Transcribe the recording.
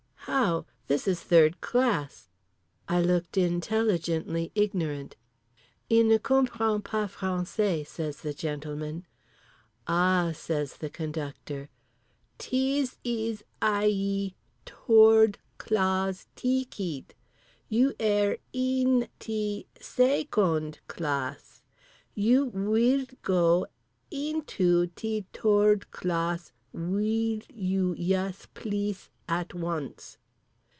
"How? This is third class!" I looked intelligently ignorant. "Il ne comprend pas français" says the gentleman. "Ah!" says the conductor, "tease ease eye ee thoorde claz tea keat. You air een tea say coend claz. You weel go ean too tea thoorde claz weal you yes pleace at once?"